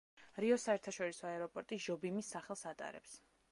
რიოს საერთაშორისო აეროპორტი ჟობიმის სახელს ატარებს.